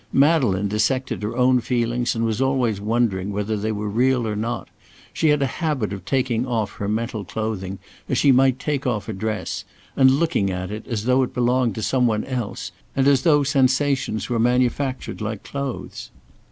Madeleine dissected her own feelings and was always wondering whether they were real or not; she had a habit of taking off her mental clothing, as she might take off a dress, and looking at it as though it belonged to some one else, and as though sensations were manufactured like clothes.